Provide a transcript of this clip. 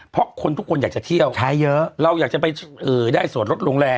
เพราะคนทุกคนอยากจะเที่ยวใช้เยอะเราอยากจะไปได้ส่วนลดโรงแรม